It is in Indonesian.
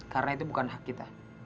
karena itu bukan hak kita